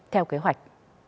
theo kế hoạch